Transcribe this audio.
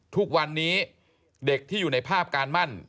ทุกวันนี้เด็กที่อยู่ในภาพการมั่น